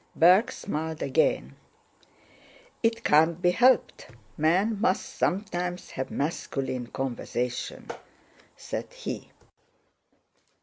Berg smiled again. "It can't be helped: men must sometimes have masculine conversation," said he.